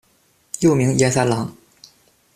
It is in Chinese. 幼名彦三郎。